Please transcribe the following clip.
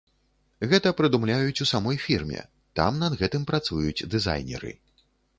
Гэта прыдумляюць у самой фірме, там над гэтым працуюць дызайнеры.